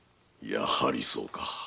やはりそうか。